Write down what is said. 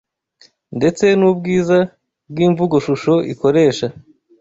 ndetse n’ubwiza bw’imvugoshusho ikoresha,